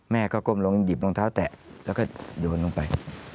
แม่ก็ก้มลงหยิบรองเท้าแตะแล้วก็โยนลงไป